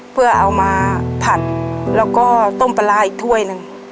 เพื่อเอามาผัดแล้วก็ต้มปลาร้าอีกถ้วยหนึ่ง